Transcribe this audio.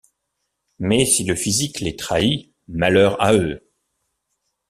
Mais si le physique les trahit, malheur à eux.